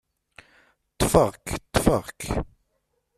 Ṭṭfeɣ-k, ṭṭfeɣ-k.